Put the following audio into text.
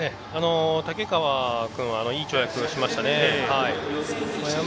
竹川君はいい跳躍をしました。